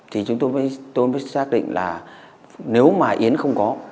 thì chúng tôi mới xác định là nếu mà yến không có